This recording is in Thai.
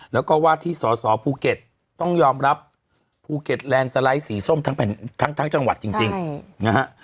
แล้วก็ว่าที่สอสอภูเก็ตต้องยอมรับภูเก็ตแลนด์สไลด์สีส้มทั้งจังหวัดจริงนะฮะ